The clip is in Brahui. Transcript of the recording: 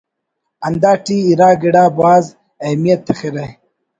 ہندا ٹی اِرا گڑا بھاز اہمیت تخرہ